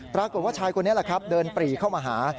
ปรากฏว่าชายคนนี้แหละครับเดินปรีเข้ามาหา